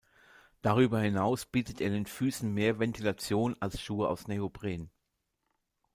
Darüber hinaus bietet er den Füßen mehr Ventilation als Schuhe aus Neopren.